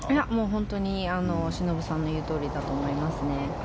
本当に、しのぶさんの言うとおりだと思います。